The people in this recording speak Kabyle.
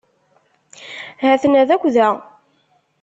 Ha-ten-ad akk da.